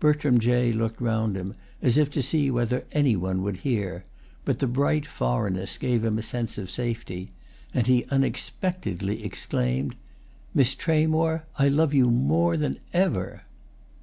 Bertram Jay looked round him, as if to see whether any one would hear; but the bright foreignness gave him a sense of safety, and he unexpectedly exclaimed: "Miss Tramore, I love you more than ever!"